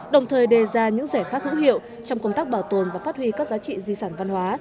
đồng thời đề ra những giải pháp hữu hiệu trong công tác bảo tồn và phát huy các giá trị di sản văn hóa